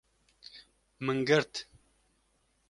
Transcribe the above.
Min girt